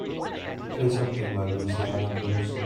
Play something by Louisiana Blues